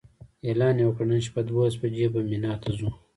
اعلان یې وکړ نن شپه دولس بجې به مینا ته ځو.